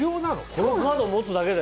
このカード持つだけで？